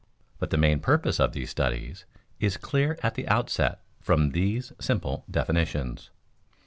But the main purpose of these studies is clear at the outset from these simple definitions.